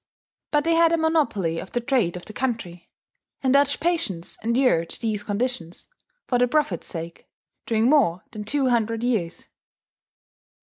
But they had a monopoly of the trade of the country; and Dutch patience endured these conditions, for the profit's sake, during more than two hundred years.